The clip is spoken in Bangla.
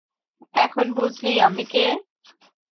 এখন বুঝলি আমি কে?